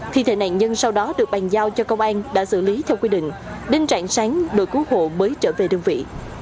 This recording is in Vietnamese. thi thể nạn nhân sau đó được bàn giao cho công an đã xử lý theo quy định đến trạng sáng đội cứu hộ mới trở về đơn vị